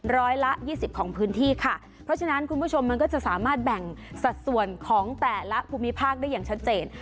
ร้อยละยี่สิบของพื้นที่ค่ะเพราะฉะนั้นคุณผู้ชมมันก็จะสามารถแบ่งสัดส่วนของแต่ละภูมิภาคได้อย่างชัดเจน